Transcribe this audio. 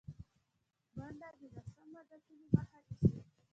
منډه د ناسم عادتونو مخه نیسي